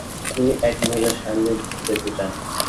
তিনি এক মহিলার সান্নিধ্য পেতে চান।